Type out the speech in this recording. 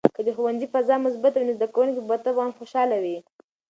که د ښوونځي فضا مثبته وي، نو زده کوونکي به طبعاً خوشحال وي.